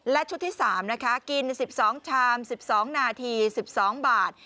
และชุดที่๓นะคะกิน๑๒ชาม๑๒นาที๑๒บาท